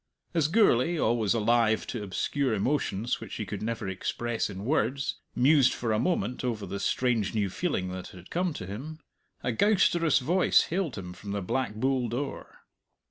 As Gourlay, always alive to obscure emotions which he could never express in words, mused for a moment over the strange new feeling that had come to him, a gowsterous voice hailed him from the Black Bull door.